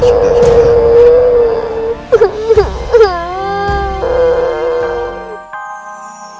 sudah sudah sudah